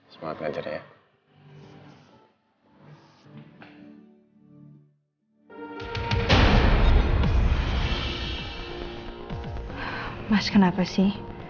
semangat aja ya